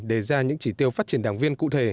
đề ra những chỉ tiêu phát triển đảng viên cụ thể